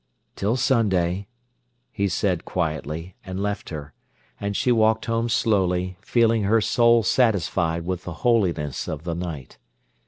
"Till Sunday," he said quietly, and left her; and she walked home slowly, feeling her soul satisfied with the holiness of the night.